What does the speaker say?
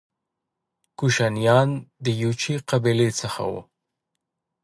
کوشانیان د یوچي قبیلې څخه وو